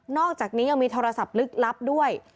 อกจากนี้ยังมีโทรศัพท์ลึกลับด้วย